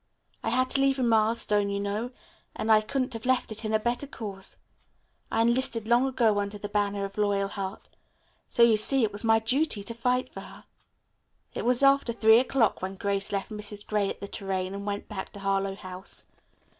"I had to leave a milestone, you know, and I couldn't have left it in a better cause. I enlisted long ago under the banner of Loyalheart. So you see it was my duty to fight for her." It was after three o'clock when Grace left Mrs. Gray at the Tourraine and went back to Harlowe House.